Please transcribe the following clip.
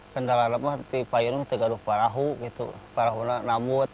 kedalam apa ini pak yonong tegaduk farahu farahuna namut